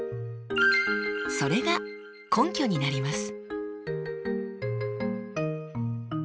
それが根拠になります。